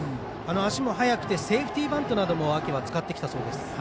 足も速くてセーフティーバントなども秋は使ってきたそうです。